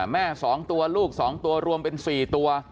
๒ตัวลูก๒ตัวรวมเป็น๔ตัว